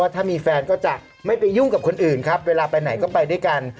ถ้ามีแฟนก็จะไม่ไปยุ่งกับคนอื่นครับเวลาไปไหนก็ไปด้วยกัน